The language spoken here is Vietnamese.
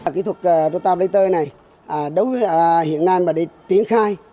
kỹ thuật rotablater này đấu hiện nàn và đi tiến khai